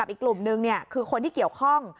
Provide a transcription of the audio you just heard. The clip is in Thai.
อีกกลุ่มนึงคือคนที่เกี่ยวข้อง